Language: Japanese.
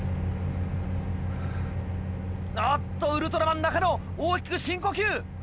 あっとウルトラマン中野大きく深呼吸！